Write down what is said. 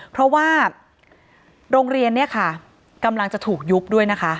เพราะว่าโรงเรียนเนี่ยค่ะกำลังจะถูกยุบด้วยนะคะ